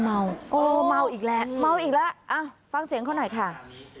เพราะแอตครับพ่อแมวอีกแหล่ะเมาอีกแหล่ะฟังเสียงเขาหน่อยค่ะ